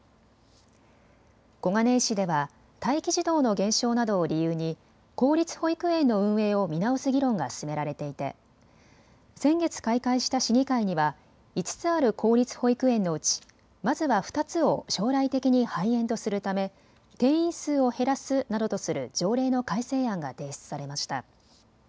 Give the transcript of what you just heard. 小金井市では待機児童の減少などを理由に公立保育園の運営を見直す議論が進められていて先月、開会した市議会には５つある公立保育園のうちまずは２つを将来的に廃園とするため定員数を減らすなどとする条例の改正案が提出されました。